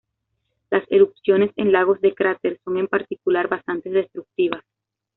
Las erupciones en lagos de cráter son en particular bastante destructivas.